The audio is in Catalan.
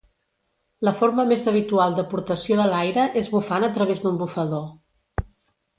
La forma més habitual d'aportació de l'aire és bufant a través d'un bufador.